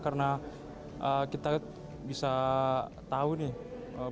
karena kita bisa tahu nih